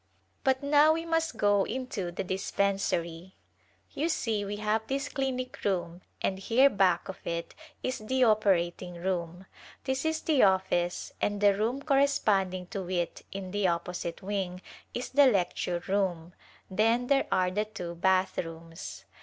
But now we must go into the dispensary. You see we have this clinic room and here back of it is the operating room ; this is the office and the room cor responding to it in the opposite wing is the lecture room, then there are the two bath rooms.